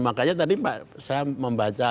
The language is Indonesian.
makanya tadi saya membaca